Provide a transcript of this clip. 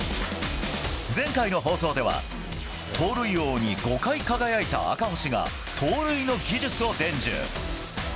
前回の放送では盗塁王に５回輝いた赤星が盗塁の技術を伝授。